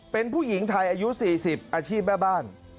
เป็นผู้หญิงไทยอายุ๔๐อาชีพแม่บ้าน